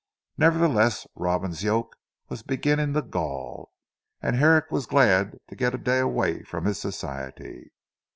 Nevertheless Robin's yoke was beginning to gall, and Herrick was glad to get a day away from his society.